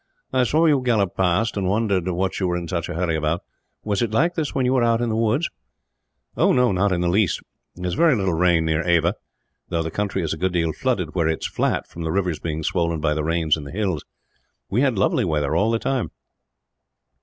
"I saw you gallop past, and wondered what you were in such a hurry about. Was it like this when you were out in the woods?" "Not in the least. There is very little rain near Ava; though the country is a good deal flooded, where it is flat, from the rivers being swollen by the rains in the hills. We had lovely weather, all the time."